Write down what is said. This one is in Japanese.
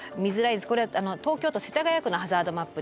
これ東京都世田谷区のハザードマップです。